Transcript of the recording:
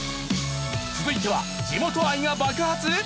続いては地元愛が爆発！？